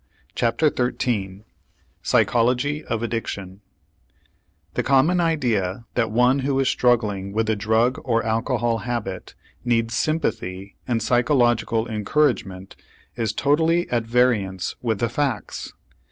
CHAPTER XIII PSYCHOLOGY OF ADDICTION The common idea that one who is struggling with a drug or alcohol habit needs sympathy and psychological encouragement is totally at variance with the facts.